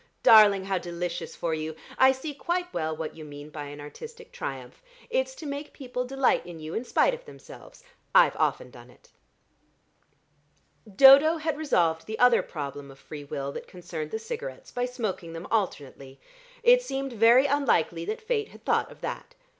Darling, how delicious for you. I see quite well what you mean by an artistic triumph: it's to make people delight in you in spite of themselves. I've often done it." Dodo had resolved the other problem of free will that concerned the cigarettes by smoking them alternately. It seemed very unlikely that Fate had thought of that.